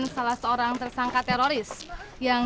kalau mau buntung terbang